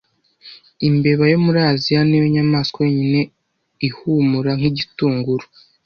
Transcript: Imbeba yo muri Aziya niyo nyamaswa yonyine ihumura nk'Igitunguru